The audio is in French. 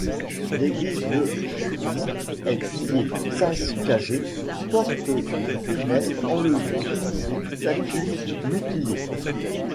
L’église de Schuiggi est pillée, saccagée, portes et fenêtres enlevées et statues mutilées.